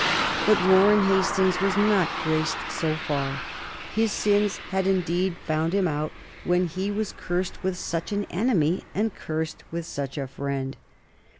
But Warren Hastings was not graced so far. His sins had indeed found him out when he was cursed with such an enemy and cursed with such a friend.